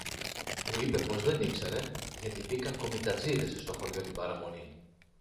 Μου είπε πως δεν ήξερε, γιατί μπήκαν κομιτατζήδες στο χωριό την παραμονή